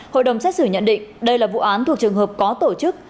hội đồng xét xử nhận định đây là vụ án thuộc trường hợp có tổ chức